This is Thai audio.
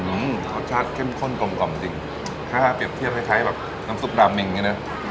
อื้อรสชาติเข้มข้นกล่อมกล่อมจริงค่ะเปรียบเทียบให้ใช้แบบน้ำซุปดามมิงอย่างงี้น่ะ